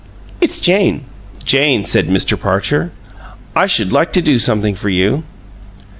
"It's Jane." "Jane," said Mr. Parcher, "I should like to do something for you."